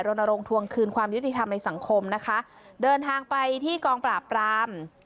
โรงทวงคืนความยุติธรรมในสังคมนะคะเดินทางไปที่กองปราบราม